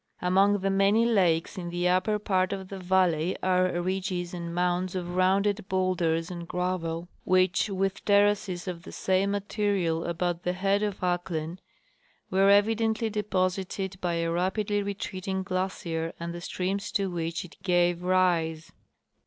Among the many lakes in the upper part of the valley are ridges and mounds of rounded bowlders and gravel, which, with terraces of the same material about the head of Ahklen, were evidently deposited by 156 C. W. Hayes — Expedition through the Yukon District. a rapidly retreating glacier and the streams to which it gave rise.